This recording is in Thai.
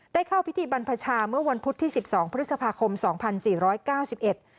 เข้าพิธีบรรพชาเมื่อวันพุธที่สิบสองพฤษภาคมสองพันสี่ร้อยเก้าสิบเอ็ด